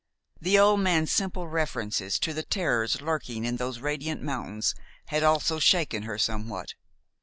The old man's simple references to the terrors lurking in those radiant mountains had also shaken her somewhat.